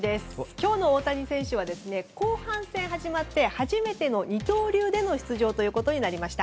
今日の大谷選手は後半戦が始まって初めての二刀流での出場となりました。